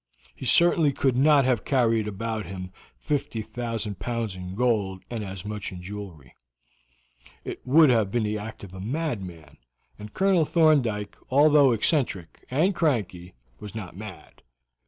He certainly could not have carried about him 50,000 pounds in gold and as much in jewelry; it would have been the act of a madman, and Colonel Thorndyke, although eccentric and cranky, was not mad.